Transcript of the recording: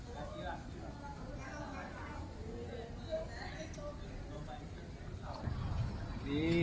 ด้วยที่